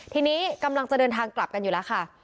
ทีนี้กำลังจะเดินทางกลับกันอยู่แล้วค่ะ